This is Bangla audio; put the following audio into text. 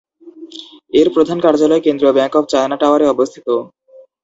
এর প্রধান কার্যালয় কেন্দ্রীয় ব্যাংক অফ চায়না টাওয়ারে অবস্থিত।